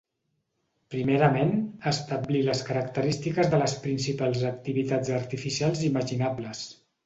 Primerament, establir les característiques de les principals activitats artificials imaginables.